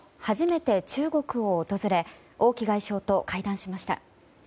初めて中国を訪れ王毅外相と会談しました。